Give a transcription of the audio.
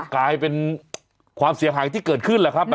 กลายเป็นความเสียหายที่เกิดขึ้นแหละครับ